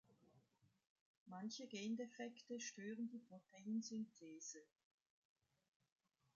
Manche Gendefekte stören die Proteinsynthese.